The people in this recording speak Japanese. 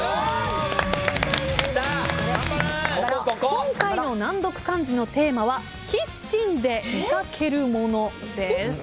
今回の難読漢字のテーマはキッチンで見掛けるものです。